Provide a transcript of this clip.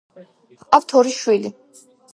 ჰყავთ ორი შვილი.